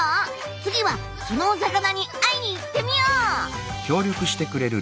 次はそのお魚に会いに行ってみよう！